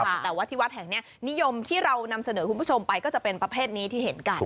แต่ว่าที่วัดแห่งนี้นิยมที่เรานำเสนอคุณผู้ชมไปก็จะเป็นประเภทนี้ที่เห็นกัน